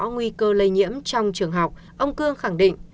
nguy cơ lây nhiễm trong trường học ông cương khẳng định